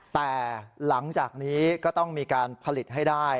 แต่หลังจากนี้ก็ต้องมีการผลิตให้ได้